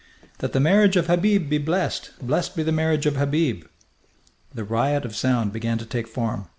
"That the marriage of Habib be blessed! Blessed be the marriage of Habib!" The riot of sound began to take form.